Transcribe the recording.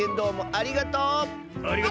ありがとう！